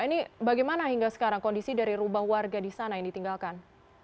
ini bagaimana hingga sekarang kondisi dari rumah warga di sana yang ditinggalkan